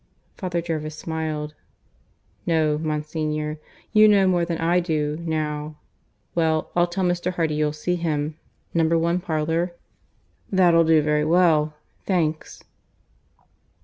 Father Jervis smiled. "No, Monsignor. You know more than I do, now. ... Well, I'll tell Mr. Hardy you'll see him. Number one parlour?" "That'll do very well. Thanks."